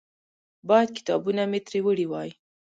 باید کتابونه مې ترې وړي وای.